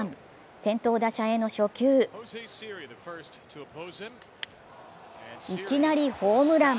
先頭打者への初球いきなりホームラン。